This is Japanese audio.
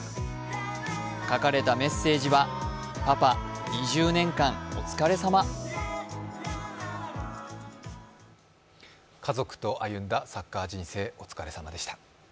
書かれたメッセージは、「パパ、２０年間お疲れさま」家族と歩んだサッカー人生、お疲れさまでした。